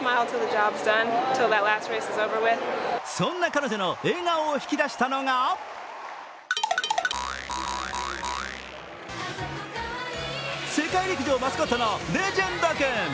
そんな彼女の笑顔を引き出したのが世界陸上マスコットのレジェンド君。